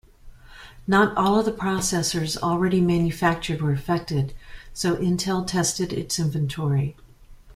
Not all of the processors already manufactured were affected, so Intel tested its inventory.